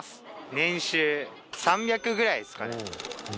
年収３００ぐらいですかね。